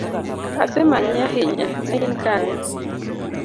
Asemanyi ahinya, nein kanye?